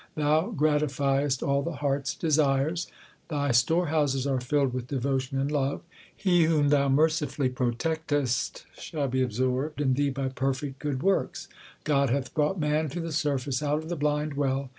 Thou gratifiest all the heart s desires : Thy storehouses are filled with devotion and love. He whom Thou mercifully protectest shall be absorbed in Thee by perfect good works. God hath brought man to the surface out of the blind well.